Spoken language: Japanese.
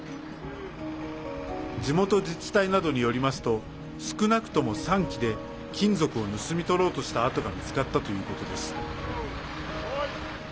地元自治体などによりますと少なくとも３基で金属を盗みとろうとした痕が見つかったということです。